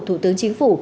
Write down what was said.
thủ tướng hà tĩnh